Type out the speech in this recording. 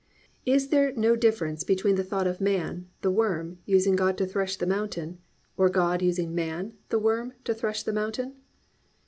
Is there no difference between the thought of man, the worm, using God to thresh the mountain, or God using man, the worm, to thresh the mountain?